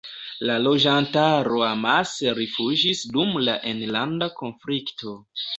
La loĝantaro amase rifuĝis dum la enlanda konflikto.